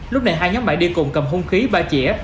lúc này hai nhóm bạn đi cùng cầm hung khí ba chỉa